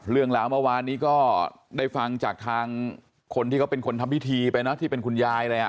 เรื่องราวเมื่อวานนี้ก็ได้ฟังจากทางคนที่เขาเป็นคนทำพิธีไปนะที่เป็นคุณยายเลยอ่ะ